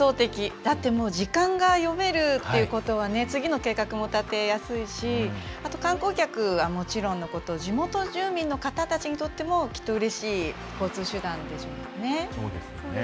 だって、時間が読めるってことは次の計画も立てやすいし観光客はもちろんのこと地元住民の方にとってもきっと、うれしい交通手段でしょうね。